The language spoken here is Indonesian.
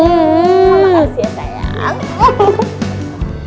hmm makasih ya sayang